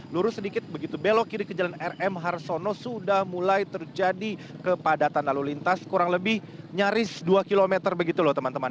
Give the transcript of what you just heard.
lurus sedikit begitu belok kiri ke jalan rm harsono sudah mulai terjadi kepadatan lalu lintas kurang lebih nyaris dua km begitu loh teman teman